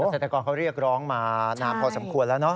เศรษฐกรเขาเรียกร้องมานานพอสมควรแล้วเนอ